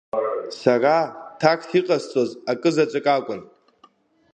Сара ҭакс иҟасҵоз акызаҵәык акәын…